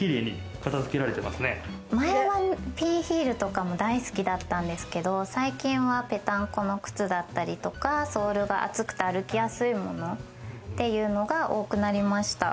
前はピンヒールとかも大好きだったんですけど、最近はペタンコの靴だったりとか、ソールが厚くて歩きやすいものっていうのが多くなりました。